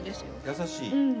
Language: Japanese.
優しい？